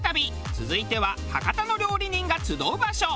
続いては博多の料理人が集う場所。